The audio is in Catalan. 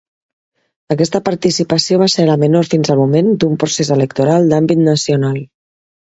Aquesta participació va ser la menor fins al moment d'un procés electoral d'àmbit nacional.